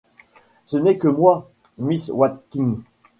Ce n’est que moi, miss Watkins !